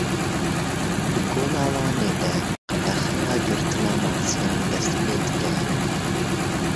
Di Gola Wanê de qedexeya girtina masiyan dest pê dike.